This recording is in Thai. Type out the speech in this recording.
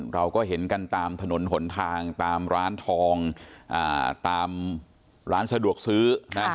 เราก็เห็นกันตามถนนหนทางตามร้านทองตามร้านสะดวกซื้อนะ